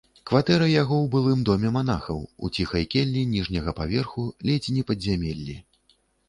Кватэра яго ў былым доме манахаў, у ціхай келлі ніжняга паверху, ледзь не падзямеллі.